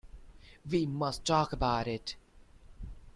We must talk about it!